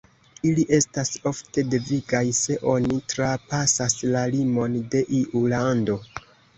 Ili estas ofte devigaj, se oni trapasas la limon de iu lando.